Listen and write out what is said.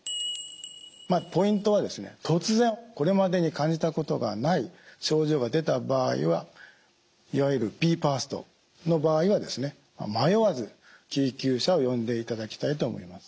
ポイントは突然これまでに感じたことがない症状が出た場合はいわゆるＢＥＦＡＳＴの場合は迷わず救急車を呼んでいただきたいと思います。